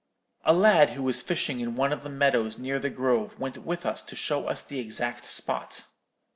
"A lad who was fishing in one of the meadows near the grove went with us to show us the exact spot.